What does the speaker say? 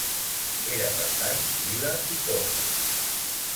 Era per tant vila i torre.